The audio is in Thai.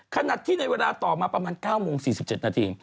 ขณะที่ในเวลาต่อมาประมาณ๙โมง๔๗นาที